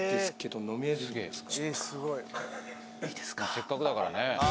せっかくだからね。